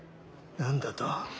何だと？